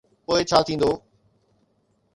پوءِ ڇا ٿيندو؟